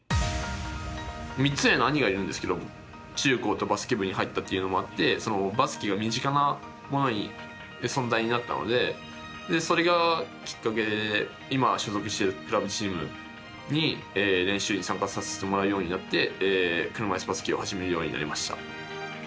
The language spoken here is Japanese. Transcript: ３つ上の兄が入るんですけど中高とバスケ部に入ったっていうことがあってバスケが身近な存在になったのでそれがきっかけで今所属しているクラブチームの練習に参加させてもらうようになって車いすバスケを始めるようになりました。